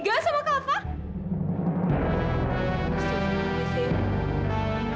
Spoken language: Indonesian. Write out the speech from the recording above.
kau mau ngapain